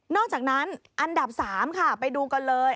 อกจากนั้นอันดับ๓ค่ะไปดูกันเลย